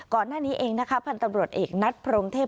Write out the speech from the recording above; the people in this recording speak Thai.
ก่อนหน้านี้เองนะคะพันธ์ตำรวจเอกนัดพรมเทพ